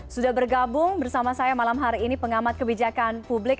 sudah bergabung bersama saya malam hari ini pengamat kebijakan publik